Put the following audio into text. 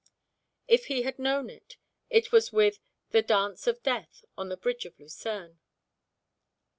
If he had known it, it was with the Dance of Death on the bridge of Lucerne.